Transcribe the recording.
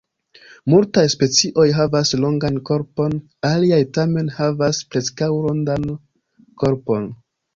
Multaj specioj havas longan korpon, aliaj tamen havas preskaŭ rondan korpon.